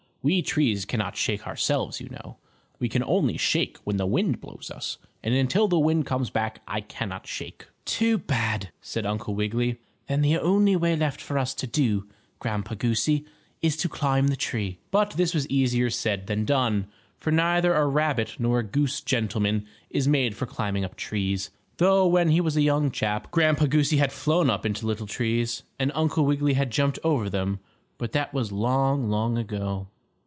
We trees cannot shake ourselves, you know. We can only shake when the wind blows us, and until the wind comes back I cannot shake." "Too bad!" said Uncle Wiggily. "Then the only way left for us to do, Grandpa Goosey, is to climb the tree." But this was easier said than done, for neither a rabbit nor a goose gentleman is made for climbing up trees, though when he was a young chap Grandpa Goosey had flown up into little trees, and Uncle Wiggily had jumped over them. But that was long, long ago.